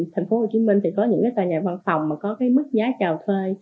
tp hcm thì có những cái tòa nhà văn phòng mà có cái mức giá trào thuê